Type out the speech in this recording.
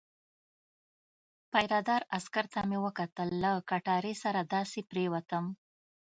پیره دار عسکر ته مې وکتل، له کټارې سره داسې پرېوتم.